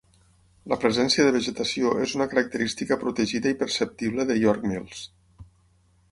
La presència de vegetació és una característica protegida i perceptible de York Mills.